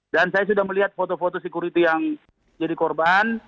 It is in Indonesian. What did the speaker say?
dan saya sudah melihat foto foto sekuriti yang jadi korban